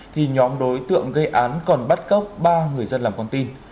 thì nhóm đối tượng gây án còn bắt cóc ba người dân làm con tin